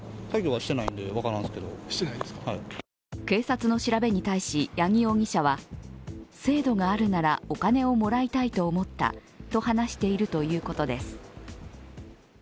警察の調べに対し矢木容疑者は制度があるならお金をもらいたいと思ったと話しているということです。